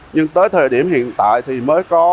nhưng tới thời điểm hiện tại thì mới có